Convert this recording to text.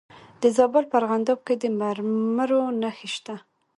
د زابل په ارغنداب کې د مرمرو نښې شته.